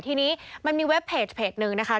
ทีนี้มันมีเว็บเพจหนึ่งนะคะ